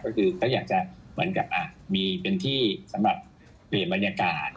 ก็คือเขาอยากจะเหมือนกับมีเป็นที่สำหรับเปลี่ยนบรรยากาศ